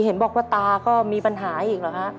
เห็นบอกว่าตาก็มีปัญหาอีกเหรอฮะ